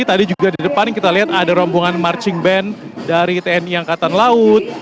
tadi juga di depan kita lihat ada rombongan marching band dari tni angkatan laut